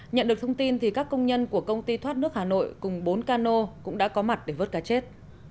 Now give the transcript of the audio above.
nhận được thông tin các công nhân của công ty thoát nước hà nội cùng bốn cano cũng đã có mặt để vớt cá chết